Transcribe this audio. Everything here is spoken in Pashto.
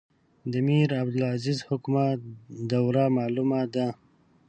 د میرعبدالعزیز حکومت دوره معلومه ده.